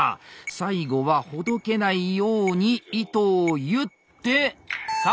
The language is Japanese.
最後はほどけないように糸を結ってさあ